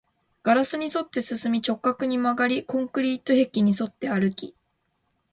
ガラスに沿って進み、直角に曲がり、コンクリート壁に沿って歩き